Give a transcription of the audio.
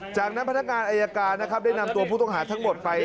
จากนั้นพนักงานอายการนะครับได้นำตัวผู้ต้องหาทั้งหมดไป